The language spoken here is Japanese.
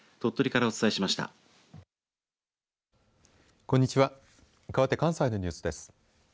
かわって関西のニュースです。